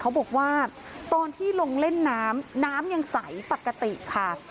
เขาบอกว่าตอนที่ลงเล่นน้ำน้ำยังใสปกติค่ะ